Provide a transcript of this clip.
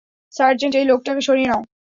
Sergeant, এই লোকটাকে সরিয়ে নাও।